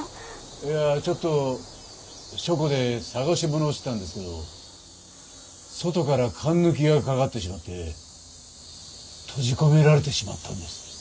いやちょっと書庫で捜し物をしてたんですけど外からかんぬきがかかってしまって閉じ込められてしまったんです。